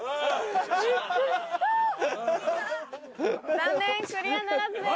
残念クリアならずです。